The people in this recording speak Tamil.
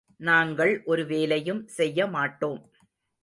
நாங்கள் ஒரு வேலையும் செய்ய மாட்டோம்.